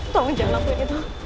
tunggu jangan lakukan itu